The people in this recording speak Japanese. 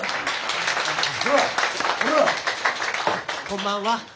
こんばんは。